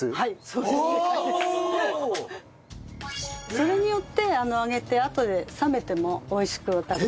それによって揚げてあとで冷めても美味しく。え！？